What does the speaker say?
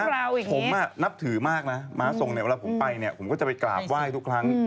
แลกผมนับถือมากนะมาส่งเวลาผมไปผมก็จะไปกราบไหว้ทุกครั้ง